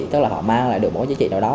tức là họ mang lại được một cái giá trị nào đó